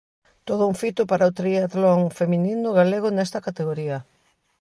Todo un fito para o tríatlon feminino galego nesta categoría.